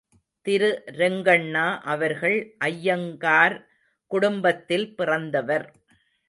திரு ரெங்கண்ணா அவர்கள் அய்யங்கார் குடும்பத்தில் பிறந்தவர்.